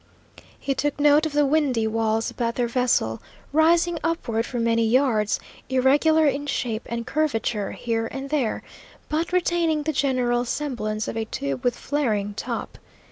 He took note of the windy walls about their vessel, rising upward for many yards, irregular in shape and curvature here and there, but retaining the general semblance of a tube with flaring top.